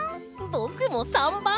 ぼくも③ばん！